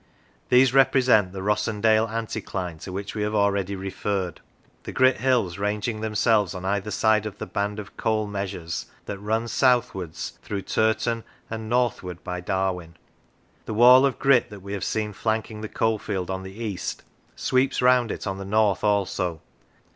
These represent the Rossendale anticline, to which we have already referred, the grit hills ranging themselves on either side of the band of coal measures that runs southward through Turton and northward by Darwen. The wall of grit that we have seen flanking the coalfield on the east sweeps round it on the north also.